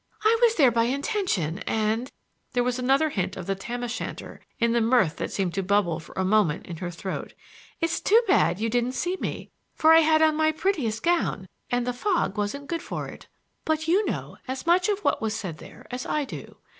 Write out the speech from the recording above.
"I was there by intention, and"—there was another hint of the tam o' shanter in the mirth that seemed to bubble for a moment in her throat—"it's too bad you didn't see me, for I had on my prettiest gown, and the fog wasn't good for it. But you know as much of what was said there as I do.